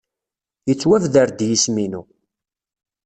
Yettwabder-d yisem-inu.